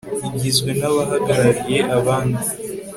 igizwe n abahagarariye abandi